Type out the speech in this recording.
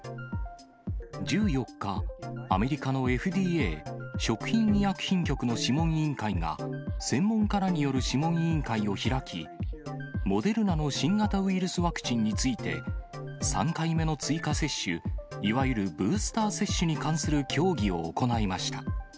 １４日、アメリカのＦＤＡ・食品医薬品局の諮問委員会が、専門家らによる諮問委員会を開き、モデルナの新型ウイルスワクチンについて、３回目の追加接種、いわゆるブースター接種に関する協議を行いました。